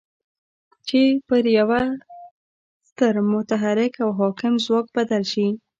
چې پر يوه ستر متحرک او حاکم ځواک بدل شي.